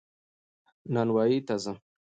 نانوايي ته ځم